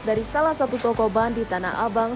dari salah satu toko ban di tanah abang